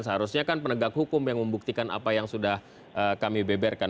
seharusnya kan penegak hukum yang membuktikan apa yang sudah kami beberkan